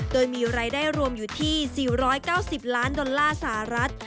โดยมีรายได้รวมอยู่ที่๔๙๐ล้านดอลลาร์สหรัฐ